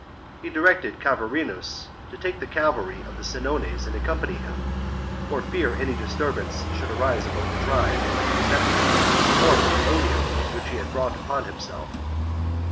He directed Cavarinus to take the cavalry of the Senones and accompany him, for fear any disturbance should arise among the tribe from his resentment or from the odium which he had brought upon himself.